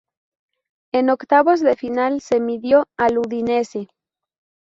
En octavos de final se midió al Udinese.